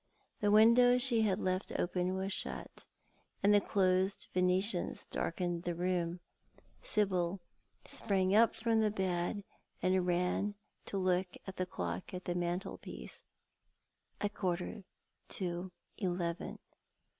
The window she had left open was shut, and the closed Venetians darkened the room. Sibyl sprang up from the bed, and ran to look at the clock on the mantelpiece. A quarter to eleven.